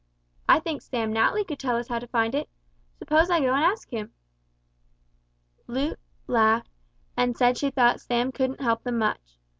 "I think Sam Natly could tell us how to find it. Suppose I go and ask him," said Gertie. Loo laughed, and said she thought Sam couldn't help them much.